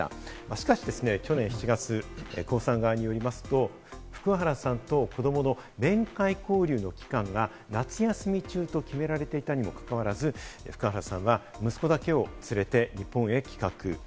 しかしですね、去年７月、コウさん側によりますと、福原さんと子どもの面会交流の期間が夏休み中と決められていたにもかかわらず、福原さんは息子だけを連れて日本へ帰国。